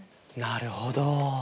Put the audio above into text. なるほど。